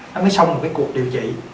nó mới xong một cái cuộc điều trị